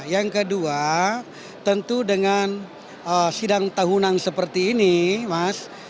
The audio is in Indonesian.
yang kedua tentu dengan sidang tahunan seperti ini mas